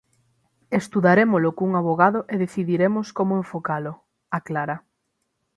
"Estudarémolo cun avogado e decidiremos como enfocalo", aclara.